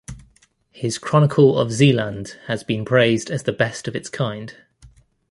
His chronicle of Zeeland has been praised as the best of its kind.